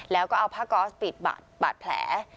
แล้วก็เอาผ้าก๊อสปิดบาดแผล